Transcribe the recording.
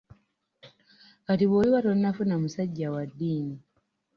Kati bw'oliba tonnafuna musajja wa ddiini?